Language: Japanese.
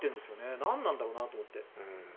何なんだろうなと思って。